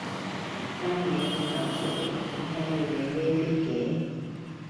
單嘢佢搞出嚟，點解要你孭飛嘅？